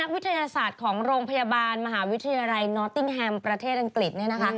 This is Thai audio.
นักวิทยาศาสตร์ของโรงพยาบาลมหาวิทยาลัยนอร์ติ้งแฮมประเทศอังกฤษ